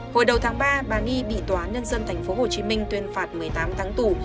hồi đầu tháng ba bà nhi bị tòa nhân dân tp hcm tuyên phạt một mươi tám tháng tù